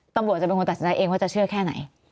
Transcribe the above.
ตำรวจจะเป็นคนตัดสินใจเองว่าจะเชื่อแค่ไหน